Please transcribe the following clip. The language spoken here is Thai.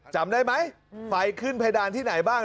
จำได้ไหมไฟขึ้นเพดานที่ไหนบ้าง